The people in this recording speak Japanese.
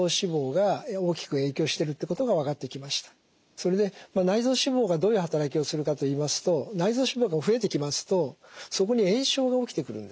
それで内臓脂肪がどういう働きをするかと言いますと内臓脂肪が増えてきますとそこに炎症が起きてくるんですね。